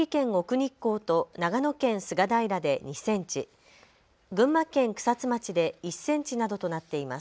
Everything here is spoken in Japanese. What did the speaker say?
日光と長野県菅平で２センチ、群馬県草津町で１センチなどとなっています。